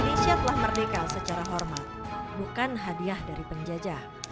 indonesia telah merdeka secara hormat bukan hadiah dari penjajah